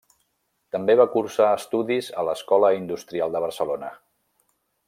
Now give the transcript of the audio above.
També va cursar estudis a l'Escola Industrial de Barcelona.